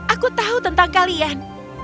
aku tahu tentang kalian